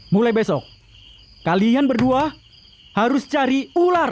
mulai besok kalian berdua harus cari ular